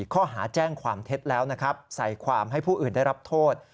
ข้อหาแจ้งความเท็จแล้วนะครับใส่ความให้ผู้อื่นได้รับโทษ